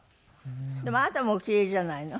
でもあなたもお奇麗じゃないの？